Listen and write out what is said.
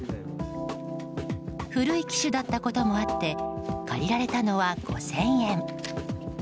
古い機種だったこともあって借りられたのは５０００円。